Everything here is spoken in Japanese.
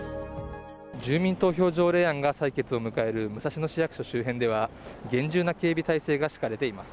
住民投票条例案が裁決を迎える武蔵野市役所周辺では厳重な警備態勢が敷かれています。